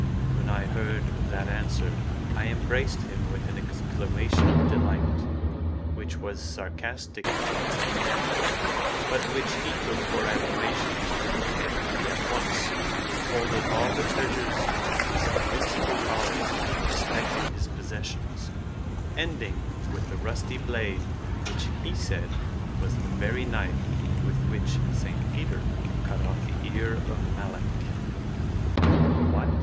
When I heard that answer I embraced him with an exclamation of delight, which was sarcastic in its intent, but which he took for admiration, and he at once unfolded all the treasures of his whimsical knowledge respecting his possessions, ending with the rusty blade which he said was the very knife with which Saint Peter cut off the ear of Malek. "What!"